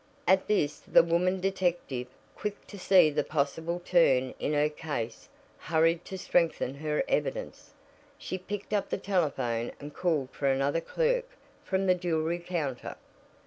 At this the woman detective, quick to see the possible turn in her case, hurried to strengthen her evidence. She picked up the telephone and called for another clerk from the jewelry counter.